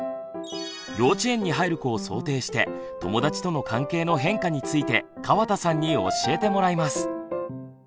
幼稚園に入る子を想定して友だちとの関係の変化について川田さんに教えてもらいます。